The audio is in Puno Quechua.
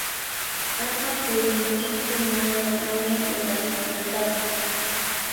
Ama purinkichu mana allin uraskunataqa.